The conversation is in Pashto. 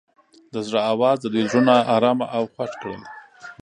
د زړه اواز د دوی زړونه ارامه او خوښ کړل.